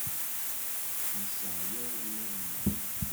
Nesseɛyaw iman-nneɣ.